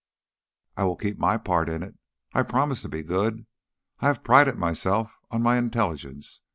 "I will keep my part in it. I promise to be good. I have prided myself on my intelligence.